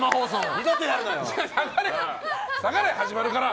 二度とやるなよ！